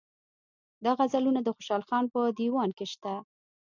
دا غزلونه د خوشحال خان په دېوان کې شته.